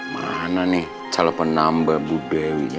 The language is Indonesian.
mana nih calon penambah bu dewi ya